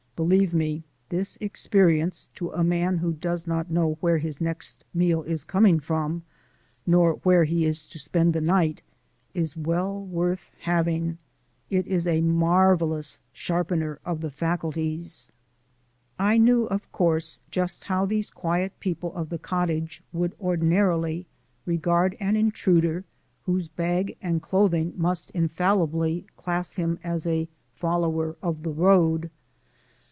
Believe me, this experience to a man who does not know where his next meal is coming from, nor where he is to spend the night, is well worth having. It is a marvellous sharpener of the facts. I knew, of course, just how these people of the cottage would ordinarily regard an intruder whose bag and clothing must infallibly class him as a follower of the road.